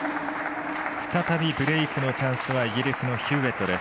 再びブレークのチャンスはイギリスのヒューウェットです。